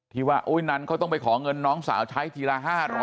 ที่ว่านันเขาต้องไปขอเงินน้องสาวใช้ทีละ๕๐๐